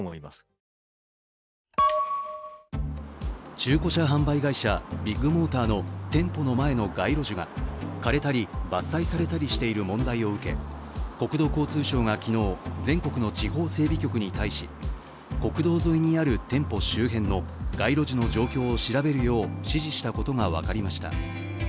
中古車販売会社ビッグモーターの店舗の前の街路樹が枯れたり、伐採されたりしている問題を受け国土交通省が昨日、全国の地方整備局に対し国道沿いにある店舗周辺の街路樹の状況を調べるよう指示したことが分かりました。